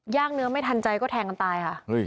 เนื้อไม่ทันใจก็แทงกันตายค่ะ